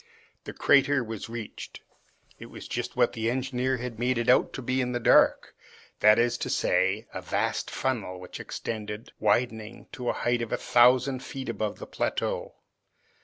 The crater was reached. It was just what the engineer had made it out to be in the dark; that is to say, a vast funnel which extended, widening, to a height of a thousand feet above the plateau.